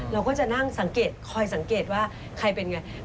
เราก็จะนั่งสังเกตคอยสังเกตว่าใครเป็นไง